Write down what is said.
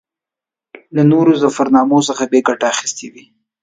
له نورو ظفرنامو څخه به یې ګټه اخیستې وي.